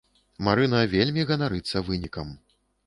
Марына вельмі ганарыцца вынікам.